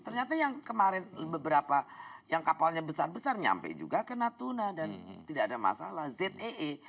ternyata yang kemarin beberapa yang kapalnya besar besar nyampe juga ke natuna dan tidak ada masalah zee